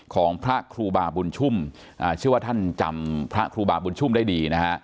ของพระครูบาบุญชุ่มเชื่อว่าท่านจำพระครูบาบุญชุ่มได้ดีนะฮะ